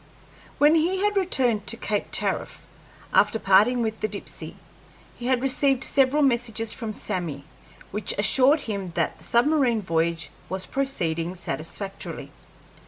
When he had returned to Cape Tariff, after parting with the Dipsey, he had received several messages from Sammy, which assured him that the submarine voyage was proceeding satisfactorily.